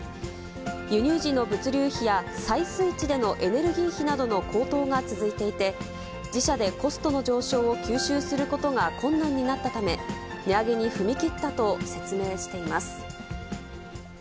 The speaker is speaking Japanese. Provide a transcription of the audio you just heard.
輸入時の物流費や採水地でのエネルギー費などの高騰が続いていて、自社でコストの上昇を吸収することが困難になったため、値上げに踏み切ったと説明しています。